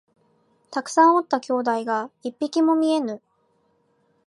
たくさんおった兄弟が一匹も見えぬ